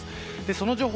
その情報